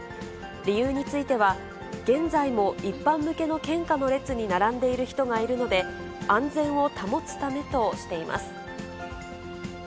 理由については、現在も一般向けの献花の列に並んでいる人がいるので、安全を保つためとしています。